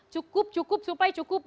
cukup cukup supply cukup